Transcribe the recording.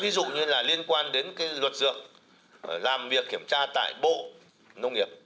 tôi nói ví dụ như là liên quan đến luật dược làm việc kiểm tra tại bộ nông nghiệp